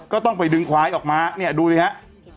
ก็ต้องไปดึงควายออกมาเนี่ยดูสิฮะ